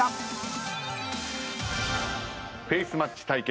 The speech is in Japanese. フェイスマッチ対決